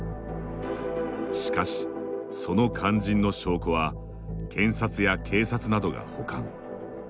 しかし、その肝心の証拠は検察や警察などが保管。